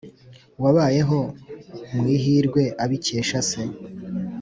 wabayeho mu ihirwe abikesha se.